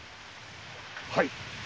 はい。